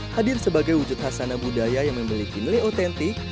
hadir sebagai wujud khasana budaya yang memiliki nilai otentik